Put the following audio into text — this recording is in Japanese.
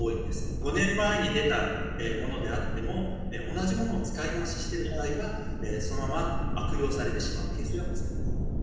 ５年前に出たものであっても、同じものを使い回ししている場合は、そのまま悪用されてしまうケースがございます。